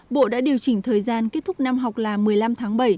bộ đã điều chỉnh thời gian kết thúc năm học là một mươi năm tháng bảy